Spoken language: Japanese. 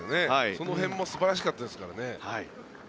その辺も素晴らしかったですからね。